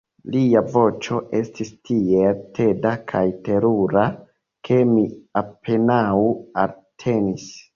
Lia voĉo estis tiel teda kaj terura ke mi apenaŭ eltenis.